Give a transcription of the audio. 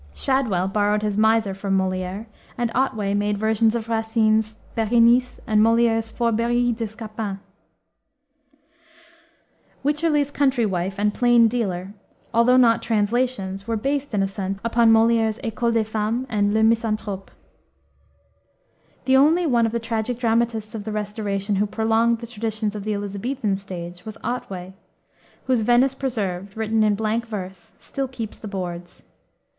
Shadwell borrowed his Miser from Molière, and Otway made versions of Racine's Bérénice and Molière's Fourberies de Scapin. Wycherley's Country Wife and Plain Dealer, although not translations, were based, in a sense, upon Molière's Ecole des Femmes and Le Misanthrope. The only one of the tragic dramatists of the Restoration who prolonged the traditions of the Elisabethan stage, was Otway, whose Venice Preserved, written in blank verse, still keeps the boards.